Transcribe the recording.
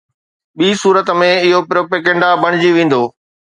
ٻي صورت ۾، اهو پروپيگنڊا بڻجي ويندو.